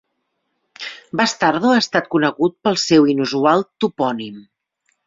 Bastardo ha estat conegut pel seu inusual topònim.